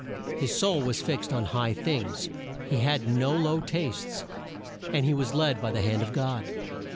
His soul was fixed on high things; he had; no low tastes; and he was led by the hand of God.